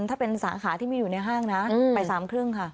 ถ้าเป็นสาขาที่ไม่อยู่ในห้างนะไป๓เครื่องค่ะ